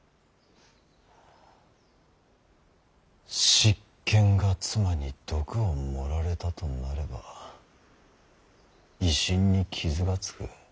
執権が妻に毒を盛られたとなれば威信に傷がつく。